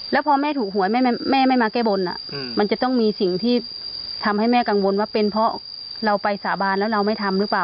แล้วพอแม่ถูกหวยแม่ไม่มาแก้บนมันจะต้องมีสิ่งที่ทำให้แม่กังวลว่าเป็นเพราะเราไปสาบานแล้วเราไม่ทำหรือเปล่า